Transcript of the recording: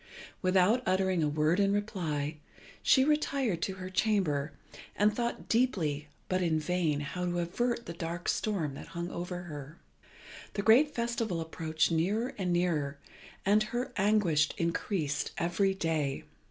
Without uttering a word in reply, she retired to her chamber, and thought deeply but in vain how to avert the dark storm that hung over her. The great festival approached nearer and nearer, and her anguish increased every day.